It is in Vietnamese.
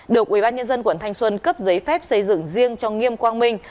được ubnd quận thanh xuân cấp giấy phép xây dựng riêng cho nghiêm quang minh